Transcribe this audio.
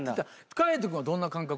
海人君はどんな感覚なの？